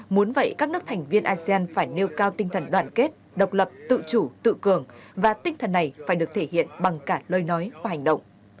muốn vậy các nước thành viên asean phải nêu cao tinh thần đoàn kết độc lập tự chủ tự cường và tinh thần này phải được thể hiện bằng cả lời nói và hành động